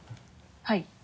はい。